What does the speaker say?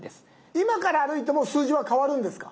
今から歩いても数字は変わるんですか？